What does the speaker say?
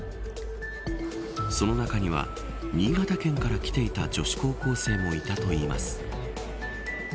その中には新潟県から来ていた女子高校生もいたといいます。